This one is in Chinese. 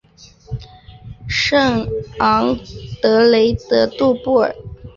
圣昂德雷德杜布尔。